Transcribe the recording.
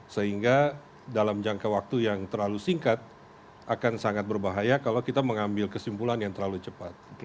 sehingga dalam jangka waktu yang terlalu singkat akan sangat berbahaya kalau kita mengambil kesimpulan yang terlalu cepat